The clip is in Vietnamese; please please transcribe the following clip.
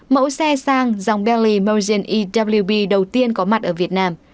mẫu xe sang dòng bentley merchant ewb đầu tiên có mặt ở việt nam